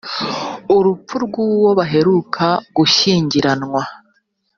urupfu rw uwo baheruka gushyingiranwa